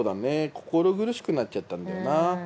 心苦しくなっちゃったんだよな。